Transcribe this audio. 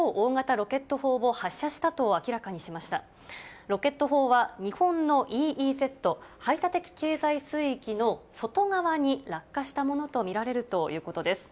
ロケット砲は日本のＥＥＺ・排他的経済水域の外側に落下したものと見られるということです。